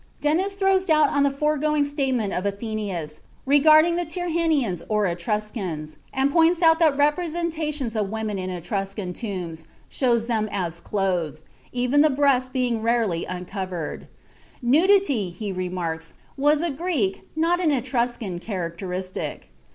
Dennis throws doubt on the foregoing statement of Athenæus regarding the Tyrrhenians or Etruscans, and points out that the representations of women in Etruscan tombs shows them as clothed, even the breast being rarely uncovered. Nudity, he remarks, was a Greek, not an Etruscan, characteristic.